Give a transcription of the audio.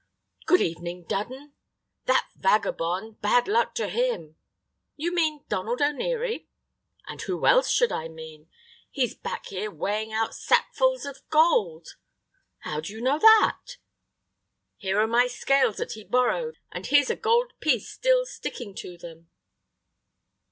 "Good evening, Dudden. That vagabond, bad luck to him——" "You mean Donald O'Neary?" "And who else should I mean? He's back here weighing out sackfuls of gold." "How do you know that?" "Here are my scales that he borrowed, and here's a gold piece still sticking to them."